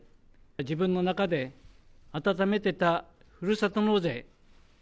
自分の中で温めてたふるさと納税。